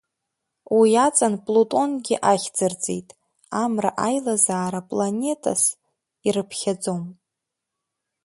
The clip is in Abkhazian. Уи аҵан Плутонгьы ахьӡырҵеит, Амра аилазаара планетас ирыԥхьаӡом.